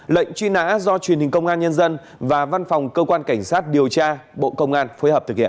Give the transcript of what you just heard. lệnh truy nã do truyền hình công an nhân dân và văn phòng cơ quan cảnh sát điều tra bộ công an phối hợp thực hiện